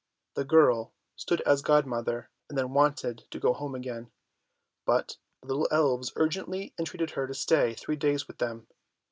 The girl stood as godmother, and then wanted to go home again, but the little elves urgently entreated her to stay three days with them.